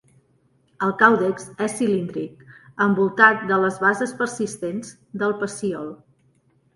El càudex és cilíndric, envoltat de les bases persistents del pecíol.